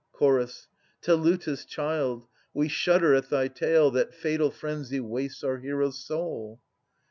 Ch. Teleutas' child ! we shudder at thy tale That fatal frenzy wastes our hero's soul.